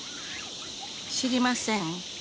知りません？